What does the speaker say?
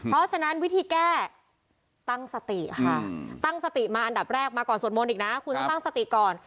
เพราะฉะนั้นวิธีแก้ตั้งสติค่ะตั้งสติมาอันดับแรกมาก่อนสวดมนต์อีกนะคุณต้องตั้งสติก่อน